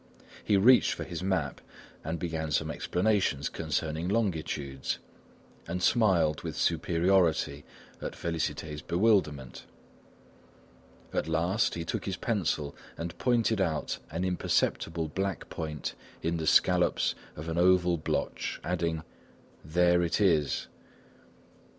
He reached for his map and began some explanations concerning longitudes, and smiled with superiority at Félicité's bewilderment. At last, he took his pencil and pointed out an imperceptible black point in the scallops of an oval blotch, adding: "There it is."